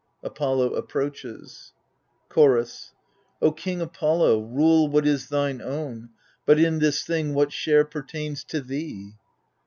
[Apollo approaches. Chorus O king Apollo, rule what is thine own. But in this thing what share pertains to thee